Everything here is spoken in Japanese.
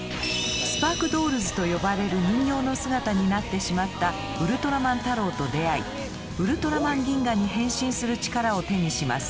「スパークドールズ」と呼ばれる人形の姿になってしまったウルトラマンタロウと出会いウルトラマンギンガに変身する力を手にします。